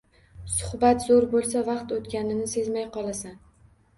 Suhbat zo`r bo`lsa, vaqt o`tganini sezmay qolasan